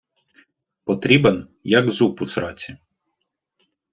Потрібен як зуб у сраці